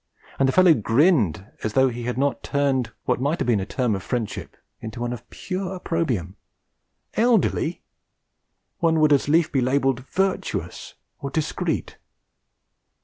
And the fellow grinned as though he had not turned what might have been a term of friendship into one of pure opprobrium. Elderly! One would as lief be labelled Virtuous or Discreet.